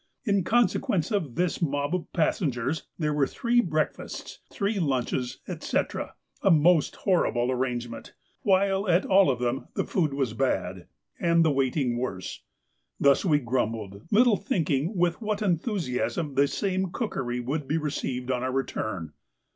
In consequence of this mob of passengers there were three breakfasts, three lunches, etc., a most horrible arrangement, while at all of them the food was bad, and the waiting worse. Thus we grumbled, little thinking with what enthusiasm the same cookery would be received on our return.